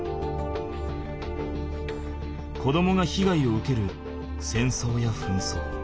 子どもがひがいを受ける戦争や紛争。